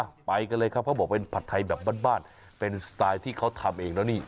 ไปกันเลยครับเขาบอกเป็นผัดไทยแบบบ้านบ้านเป็นสไตล์ที่เขาทำเองแล้วนี่